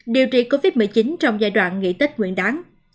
điều trị covid một mươi chín trong giai đoạn nghỉ tích nguyện đáng